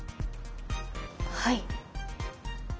はい。